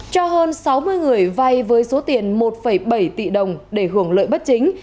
cho hơn sáu mươi người vay với số tiền một bảy tỷ đồng để hưởng lợi bất chính